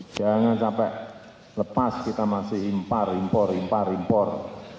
jangan sampai lepas kita masih impar impor impar impor